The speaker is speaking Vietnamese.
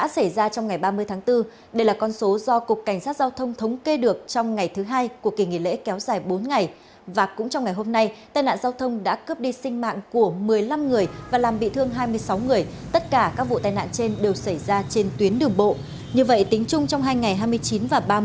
các bạn hãy đăng ký kênh để ủng hộ kênh của chúng mình nhé